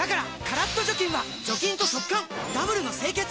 カラッと除菌は除菌と速乾ダブルの清潔！